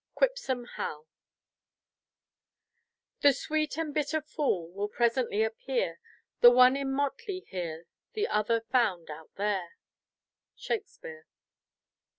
QUIPSOME HAL "The sweet and bitter fool Will presently appear, The one in motley here The other found out there." Shakespeare.